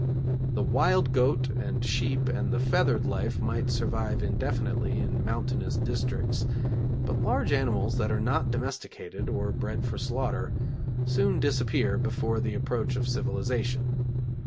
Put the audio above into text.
The wild goat and sheep and the feathered life might survive indefinitely in mountainous districts, but large animals that are not domesticated, or bred for slaughter, soon disappear before the approach of civilisation.